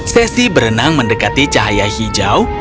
sesi berenang mendekati cahaya hijau